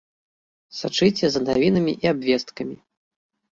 Сачыце за навінамі і абвесткамі!